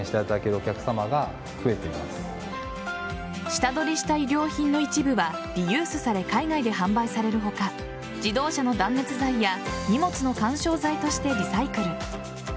下取りした衣料品の一部はリユースされ海外で販売される他自動車の断熱材や荷物の緩衝材としてリサイクル。